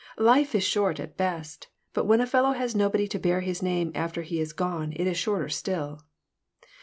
"Life is short at best, but when a fellow has nobody to bear his name after he is gone it is shorter still.